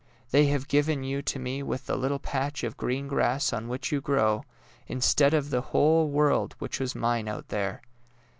They have given you to me with the little patch of green grass on which you grow, instead of the whole world which was mine out there